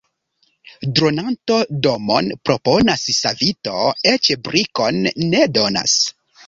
Dronanto domon proponas, savito eĉ brikon ne donas.